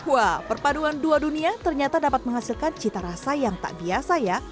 wah perpaduan dua dunia ternyata dapat menghasilkan cita rasa yang tak biasa ya